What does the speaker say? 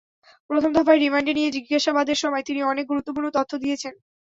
প্রথম দফায় রিমান্ডে নিয়ে জিজ্ঞাসাবাদের সময় তিনি অনেক গুরুত্বপূর্ণ তথ্য দিয়েছেন।